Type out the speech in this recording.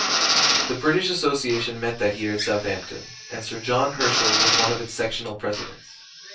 The British Association met that year at Southampton, and Sir John Herschel was one of its Sectional Presidents.